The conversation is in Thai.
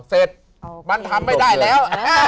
เสร็จมันทำไม่ได้แล้ว